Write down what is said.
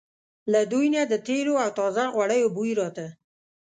له دوی نه د تېلو او تازه غوړیو بوی راته.